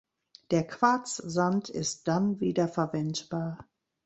Der Quarzsand ist dann wiederverwendbar.